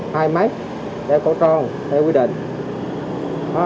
hai máy đeo cổ tròn theo quy định